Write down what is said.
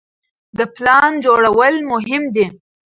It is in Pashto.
د پلان جوړول مهم دي.